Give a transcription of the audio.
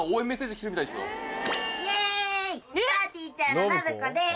イエイぱーてぃーちゃんの信子です！